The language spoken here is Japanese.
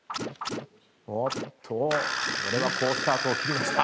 おっとこれは好スタートを切りました。